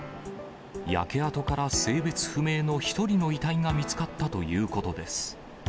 焼け跡から性別不明の１人の遺体が見つかったということです。